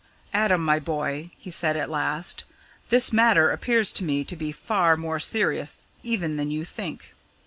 "Adam, my boy," he said at last, "this matter appears to me to be far more serious even than you think.